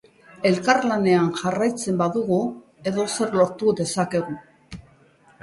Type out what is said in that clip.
Elkarlanean jarraitzen badugu edozer lortu dezakegu.